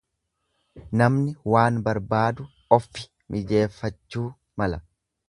Namni waan barbaadu offi mijeeffachuu mala.